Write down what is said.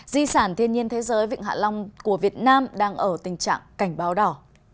di sản thiên nhiên thế giới vịnh hạ long của việt nam đang ở tình trạng cảnh báo đỏ